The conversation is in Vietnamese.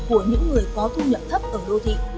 của những người có thu nhập thấp ở đô thị